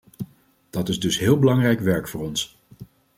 Dat is dus heel belangrijk werk voor ons.